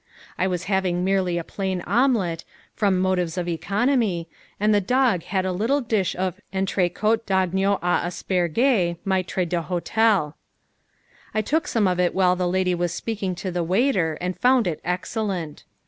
I was having merely a plain omelette, from motives of economy, and the dog had a little dish of entrecote d'agneau aux asperges maître d'hôtel. I took some of it while the lady was speaking to the waiter and found it excellent.